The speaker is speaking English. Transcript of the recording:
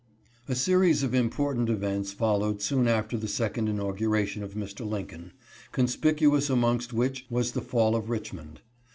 A series of important events followed soon after the second inauguration of Mr. Lincoln, conspicuous amongst which was the fall of Richmond.